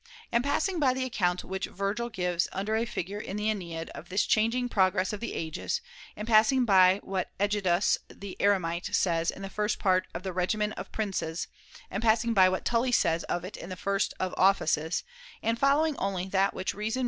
And passing by the account which Virgil gives under a figure in the JEneid of this changing progress of the ages, and passing by what Egidius the Eremite says in the first part of the Regimen of Princes, and passing by what [looj Tully says of it in the first Of Offices, and following only that which reason 1°.